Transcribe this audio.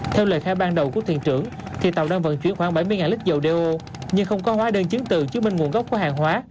theo lời khai ban đầu của thuyền trưởng tàu đang vận chuyển khoảng bảy mươi lít dầu đeo nhưng không có hóa đơn chứng từ chứng minh nguồn gốc của hàng hóa